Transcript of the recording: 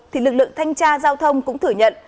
thì lực lượng thanh tra giao thông cũng thử nhận